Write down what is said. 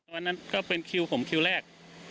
วันนั้นก็เป็นคิวผมคิวแรก